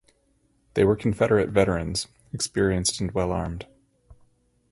They were Confederate veterans, experienced and well armed.